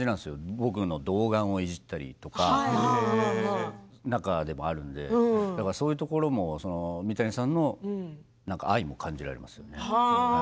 僕の童顔をいじったりとか中にもあるのでそういうところも三谷さんの愛も感じられますね。